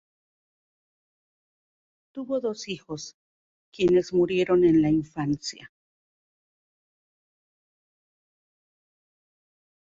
Tuvo dos hijos, quienes murieron en la infancia.